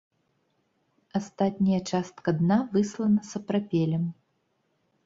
Астатняя частка дна выслана сапрапелем.